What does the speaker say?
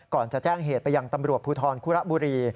ก่อนจะแจ้งเหตุไปยังตำรวจภูทรคุระบุรี